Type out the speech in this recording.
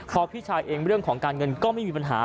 พอพี่ชายเองเรื่องของการเงินก็ไม่มีปัญหา